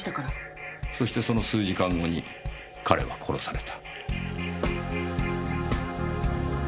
そしてその数時間後に彼は殺された。